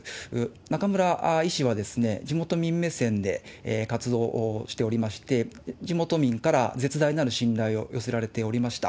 中村医師は地元民目線で活動しておりまして、地元民から絶大なる信頼を寄せられておりました。